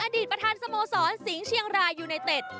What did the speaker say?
อดีตประธานสโมสรสิงห์เชียงรายยูไนเต็ด